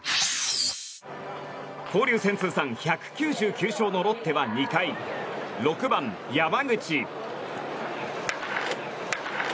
交流戦通算１９９勝のロッテは２回６番、山口。